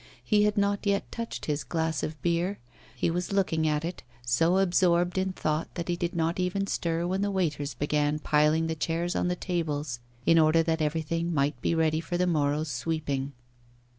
He had not yet touched his glass of beer; he was looking at it, so absorbed in thought that he did not even stir when the waiters began piling the chairs on the tables, in order that everything might be ready for the morrow's sweeping.